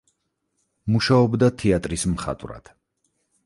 მუშაობდა თეატრის მხატვრად.